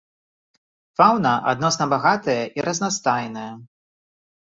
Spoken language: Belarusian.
Фаўна адносна багатая і разнастайная.